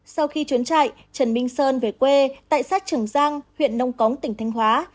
sau khi chuyến chạy trần minh sơn về quê tại sát trường giang huyện nông cống tỉnh thanh hóa